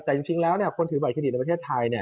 แต่จริงแล้วคนถือบัตรเครดิตในประเทศไทย